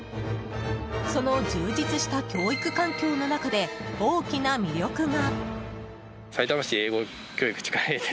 その充実した教育環境の中で大きな魅力が。